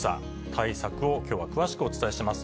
対策をきょうは詳しくお伝えします。